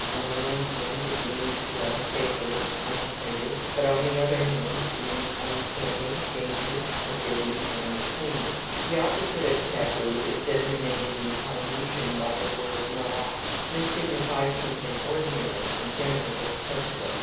On the one hand it means to us sacred, consecrated : but on the other hand it means, uncanny, dangerous, for bidden, and imcleau. The opposite for taboo is designated in Polynesian by the wora noa and signifies something ordinary and gentoally accessible.